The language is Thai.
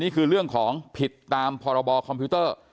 นี่คือเรื่องของผิดตามพรบคอมพิวเตอร์